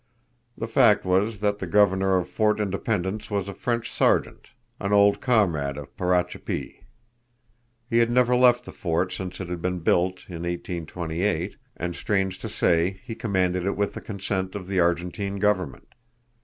The fact was that the Governor of Fort Independence was a French sergeant, an old comrade of Parachapee. He had never left the fort since it had been built in 1828; and, strange to say, he commanded it with the consent of the Argentine Government.